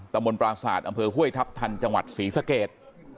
มนตราศาสตร์อำเภอห้วยทัพทันจังหวัดศรีสเกต